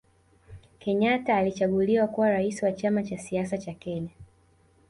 Kenyata alichaguliwa kuwa rais wa chama cha siasa cha kenya